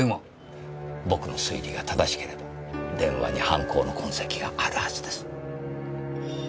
僕の推理が正しければ電話に犯行の痕跡があるはずです。